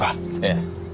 ええ。